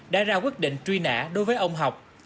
đã ra quyết định truy nã đối với ông học